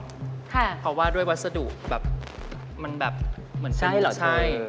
ค่ะเพราะว่าด้วยวัสดุแบบมันแบบเหมือนชีวิตเธอใช่หรอเธอ